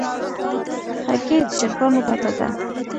هګۍ د چرګانو ګټه ده.